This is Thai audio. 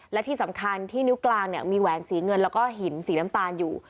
และที่สำคัญที่นิ้วกลางเนี่ยมีแหวนสีเงินแล้วก็หินสีน้ำตาลอยู่